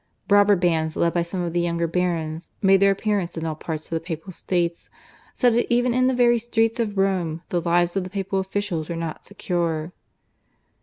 Robber bands led by some of the younger barons made their appearance in all parts of the Papal States, so that even in the very streets of Rome the lives of the papal officials were not secure.